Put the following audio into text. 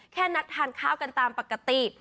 แค่นัดทานข้าวกันตามปกติ